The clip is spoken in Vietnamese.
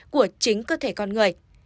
của chính cơ thể con người